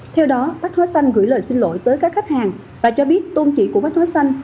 theo đó bách hóa xanh gửi lời xin lỗi tới các khách hàng và cho biết tôn chỉ của mắt xối xanh